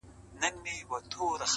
پرتكه سپينه پاڼه وڅڅېدې.